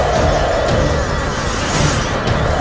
kau pikir aku tak